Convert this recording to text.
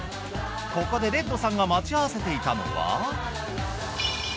ここでレッドさんが待ち合わせていたのは。